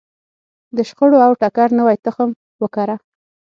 د شخړو او ټکر نوی تخم وکره.